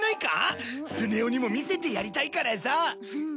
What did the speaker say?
スネ夫にも見せてやりたいからさ。